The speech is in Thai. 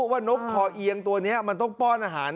นกคอเอียงตัวนี้มันต้องป้อนอาหาร